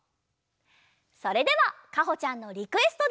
それではかほちゃんのリクエストで。